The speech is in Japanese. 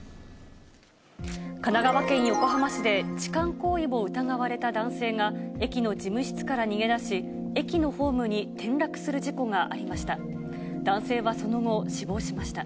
神奈川県横浜市で、痴漢行為を疑われた男性が、駅の事務室から逃げ出し、駅のホームに転落する事故がありました。